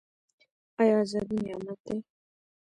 آیا ازادي نعمت دی؟